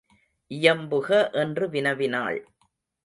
இயம்புக என்று வினவினாள்.